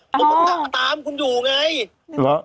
ผมตามคุณอยู่ไง